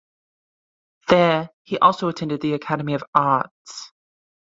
There he also attended the academy of arts.